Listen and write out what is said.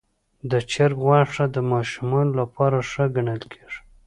د چرګ غوښه د ماشومانو لپاره ښه ګڼل کېږي.